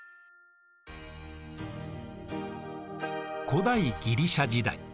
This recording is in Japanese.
古代ギリシア時代。